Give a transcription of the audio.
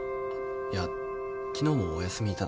いや昨日もお休み頂いたので。